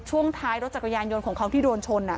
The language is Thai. ช่วงท้ายรถจักรยานยนต์ของเขาที่โดนชน